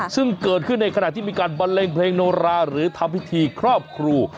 ซึ่งเกิดขึ้นในขณะที่มีการบันเลงเพลงโนราหรือทำพิธีครอบครู